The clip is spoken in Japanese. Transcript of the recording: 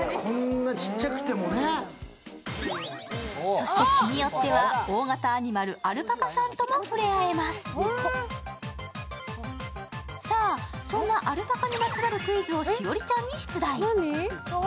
そして日によっては大型アニマル・アルパカさんとも触れ合えますさあ、そんなアルパカにまつわるクイズを栞里ちゃんに出題。